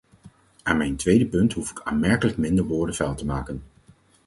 Aan mijn tweede punt hoef ik aanmerkelijk minder woorden vuil te maken.